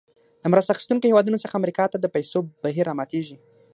د مرسته اخیستونکو هېوادونو څخه امریکا ته د پیسو بهیر راماتیږي.